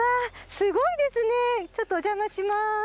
すごいですねちょっとお邪魔します